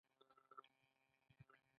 بنده حيران شي چې دغه ساده باده انسان